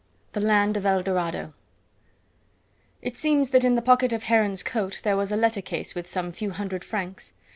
THE LAND OF ELDORADO It seems that in the pocket of Heron's coat there was a letter case with some few hundred francs.